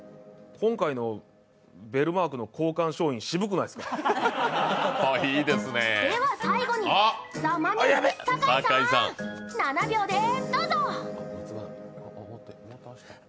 今回のベルマークの交換商品、しぶくないですか？